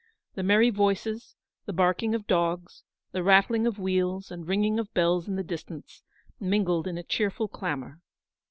The merry voices, the barking of dogs, the rattling of wheels and ringing of bells in the distance mingled in a cheerful clamour.